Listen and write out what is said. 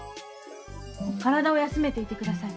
体を休めていて下さい。